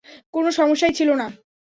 কোনো সমস্যাই ছিল না।